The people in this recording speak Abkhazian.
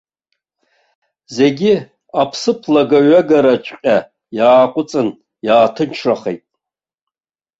Зегьы, аԥсыԥ лага-ҩагараҵәҟьа иаҟәыҵын, иааҭынчрахеит.